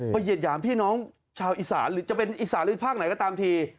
เหยียดหยามพี่น้องชาวอีสานหรือจะเป็นอีสานหรือภาคไหนก็ตามที